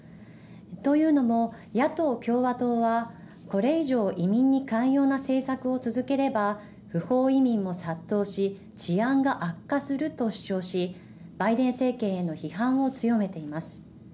というのも、野党・共和党はこれ以上移民に寛容な政策を続ければ不法移民も殺到し治安が悪化すると主張しバイデン政権への批判を強めています。